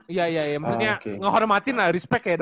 iya iya iya maksudnya ngehormatin lah respect ya dari lu